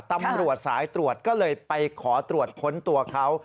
ตำรวจสายตรวจก็เลยไปขอตรวจค้นตัวเขา